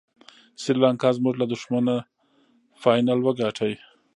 سریلانکا زموږ له دښمنه فاینل وګاټه.